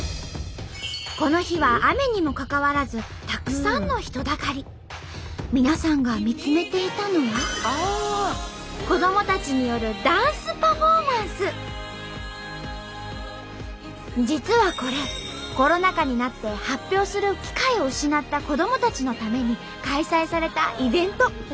この日は雨にもかかわらず皆さんが見つめていたのは実はこれコロナ禍になって発表する機会を失った子どもたちのために開催されたイベント。